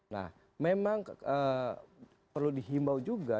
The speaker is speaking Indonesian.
nah memang perlu dihimbau juga